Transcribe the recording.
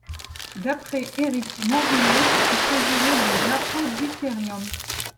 D'après Éric Morvillez, il s'agirait de l'apodyterium.